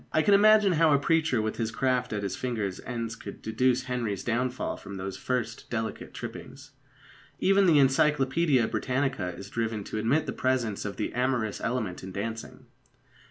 I can imagine how a preacher with his craft at his fingers' ends could deduce Henry's downfall from those first delicate trippings. Even the Encyclopædia Britannica is driven to admit the presence of the amorous element in dancing.